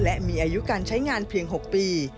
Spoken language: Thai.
และมีอายุการใช้งานเพียง๖ปี